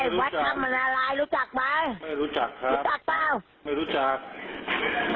ไอ้พระคำมนารายรู้จักไหม